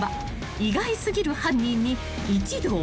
［意外過ぎる犯人に一同あ然］